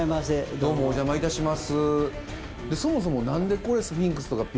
どうもお邪魔いたします。